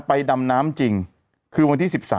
ดำน้ำจริงคือวันที่๑๓